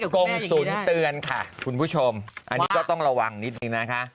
กงศูนย์เตือนค่ะคุณผู้ชมอันนี้ก็ต้องระวังนิดนึงนะคะ